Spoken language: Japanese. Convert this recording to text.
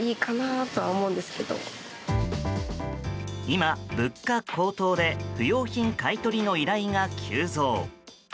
今、物価高騰で不用品買い取りの依頼が急増。